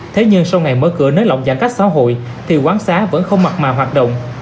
thế nhưng sau ngày mở cửa nới lỏng giãn cách xã hội thì quán xá vẫn không mặt mà hoạt động